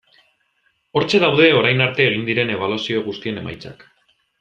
Hortxe daude orain arte egin diren ebaluazio guztien emaitzak.